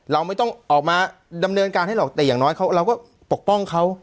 เราไม่ต้องออกมาดำเนินการให้หรอกแต่อย่างน้อยเราก็ปกป้องเขา